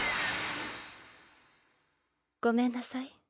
ごめんなさい。